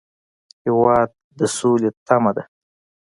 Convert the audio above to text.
هېواد د سولې تمه ده.